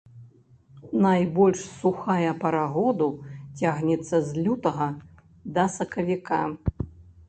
Найбольш сухая пара году цягнецца з лютага да сакавіка.